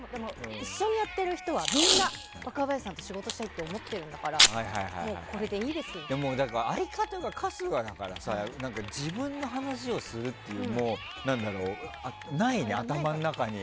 一緒にやっている人はみんな若林さんと仕事したいと思ってるんだから相方が春日だからさ自分の話をするっていうのがないね、頭の中に。